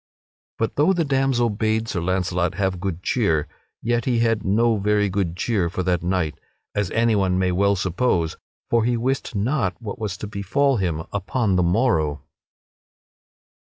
But though the damsel bade Sir Launcelot have good cheer, yet he had no very good cheer for that night, as anyone may well suppose, for he wist not what was to befall him upon the morrow.